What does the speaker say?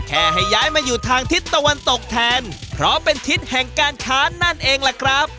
ให้ย้ายมาอยู่ทางทิศตะวันตกแทนเพราะเป็นทิศแห่งการค้านั่นเองล่ะครับ